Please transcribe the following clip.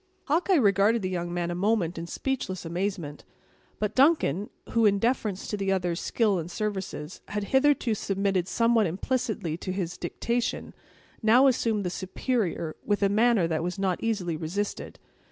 Hawkeye regarded the young man a moment in speechless amazement. But Duncan, who, in deference to the other's skill and services, had hitherto submitted somewhat implicitly to his dictation, now assumed the superior, with a manner that was not easily resisted.